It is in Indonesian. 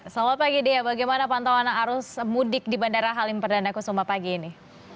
selamat pagi dea bagaimana pantauan arus mudik di bandara halim perdana kusuma pagi ini